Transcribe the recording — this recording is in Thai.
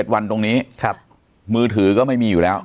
๗วันตรงนี้มือถือก็ไม่มีอยู่แล้ว